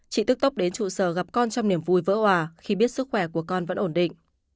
chị tức tốc đến trụ sở gặp con trong niềm vui vỡ hòa khi biết sức khỏe của con vẫn ổn định